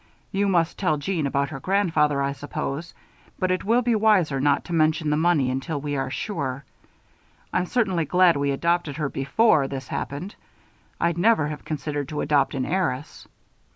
You must tell Jeanne about her grandfather, I suppose; but it will be wiser not to mention the money until we are sure. I'm certainly glad we adopted her before this happened. I'd never have consented to adopt an heiress."